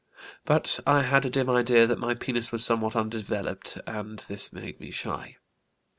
But I had a dim idea that my penis was somewhat undeveloped and this made me shy.